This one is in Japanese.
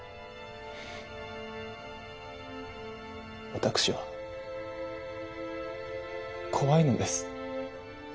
私は怖いのです。